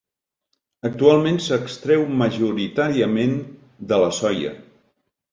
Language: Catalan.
Actualment s'extreu majoritàriament de la soia.